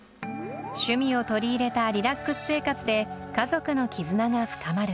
趣味を取り入れたリラックス生活で家族の絆が深まる